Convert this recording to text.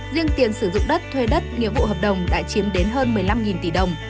riêng tiền sử dụng đất thuê đất nghĩa vụ hợp đồng đã chiếm đến hơn một mươi năm tỷ đồng